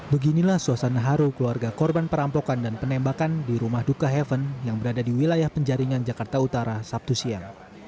beginilah suasana haru keluarga korban perampokan dan penembakan di rumah duka heaven yang berada di wilayah penjaringan jakarta utara sabtu siang